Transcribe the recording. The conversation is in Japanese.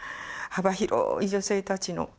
幅広い女性たちの。